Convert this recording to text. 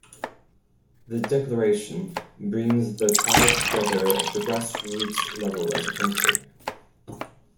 The Declaration brings the tribe together at the grassroots level as a Country.